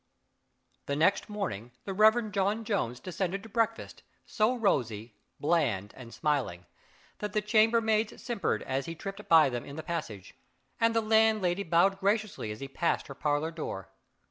The next morning the Rev. John Jones descended to breakfast so rosy, bland, and smiling, that the chambermaids simpered as he tripped by them in the passage, and the landlady bowed graciously as he passed her parlor door.